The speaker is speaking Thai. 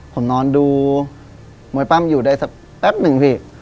ผมนอนดูมวยปั้มอยู่ได้สักแป๊บหนึ่งพี่